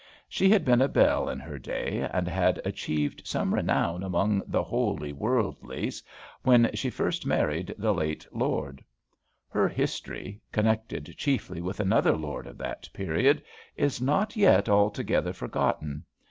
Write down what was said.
She had been a belle in her day, and had achieved some renown among the "wholly worldlies" when she first married the late lord. Her "history," connected chiefly with another lord of that period, is not yet altogether forgotten.